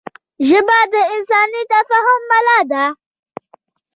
ژبه د انساني تفاهم ملا ده